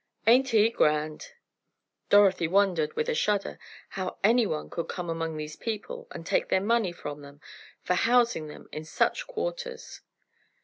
"Ain't he grand!" Dorothy wondered, with a shudder, how any one could come among these people and take their money from them, for housing them in such quarters!